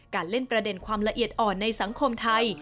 เล่นประเด็นความละเอียดอ่อนในสังคมไทย